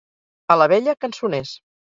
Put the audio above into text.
A l'Abella, cançoners.